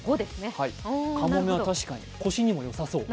かもめは確かに腰にもよさそう。